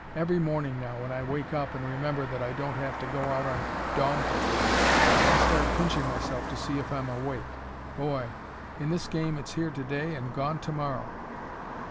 Every morning now when I wake up and remember that I don't have to go out on dawn patrol I start pinching myself to see if I'm awake. Boy, in this game it's here to day and gone to morrow.